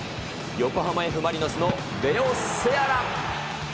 横浜Ｆ・マリノスのレオセアラ。